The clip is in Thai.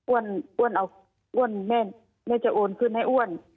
อ้วนเอาแม่จะโอนคืนให้อ้วน